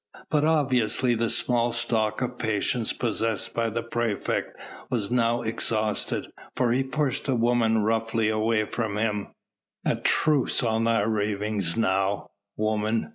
But obviously the small stock of patience possessed by the praefect was now exhausted, for he pushed the woman roughly away from him. "A truce on thy ravings now, woman.